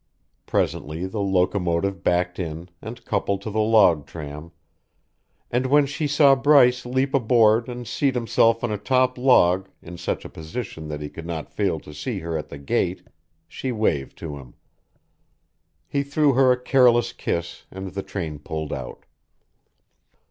Presently the locomotive backed in and coupled to the log tram, and when she saw Bryce leap aboard and seat himself on a top log in such a position that he could not fail to see her at the gate, she waved to him. He threw her a careless kiss, and the train pulled out.